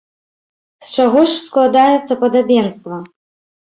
З чаго ж складаецца падабенства?